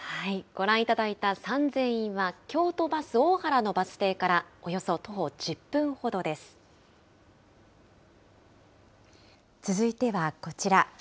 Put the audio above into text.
ご覧いただいた三千院は、京都バス、大原のバス停からおよそ続いてはこちら。